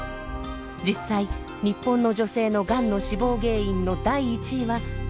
実際日本の女性のがんの死亡原因の第１位は大腸がんです。